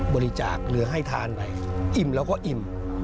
บริจาคหรือให้ทานไปอิ่มแล้วก็อิ่ม